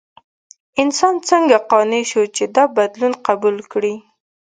انسان څنګه قانع شو چې دا بدلون قبول کړي؟